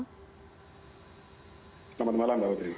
selamat malam mbak